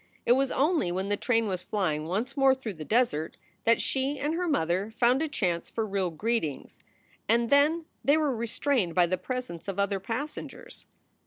It was only when the train was flying once more through the desert that she and her mother found a chance for real greetings and then they were restrained by the presence of other passengers.